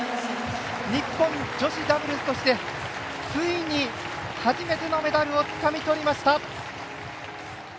日本女子ダブルスとしてついに初めてのメダルをつかみ取りました！